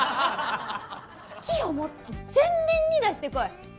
「好き」をもっと全面に出してこい！